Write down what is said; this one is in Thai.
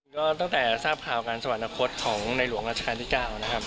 ก็ตั้งแต่ทราบข่าวการสวรรคตของในหลวงราชการที่๙นะครับ